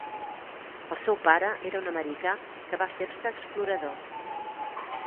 El seu pare era un americà que va fer-se explorador.